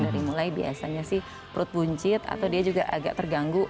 dari mulai biasanya sih perut buncit atau dia juga agak terganggu